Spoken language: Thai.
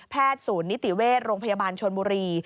ศูนย์นิติเวชโรงพยาบาลชนบุรี